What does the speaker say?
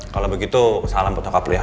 kalo begitu salam ke nyokap lo ya